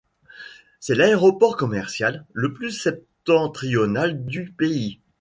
C'est l'aéroport commercial le plus septentrional du pays.